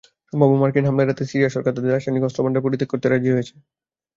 সম্ভাব্য মার্কিন হামলা এড়াতে সিরিয়া সরকার তাদের রাসায়নিক অস্ত্রভান্ডার পরিত্যাগ করতে রাজি হয়েছে।